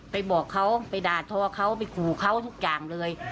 ไปบอกเขาไปด่าทอเขาไปขู่เขาทุกอย่างเลย